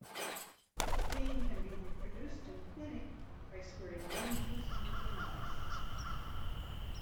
The pain can be reproduced in clinic by squirting lemon juice into the mouth.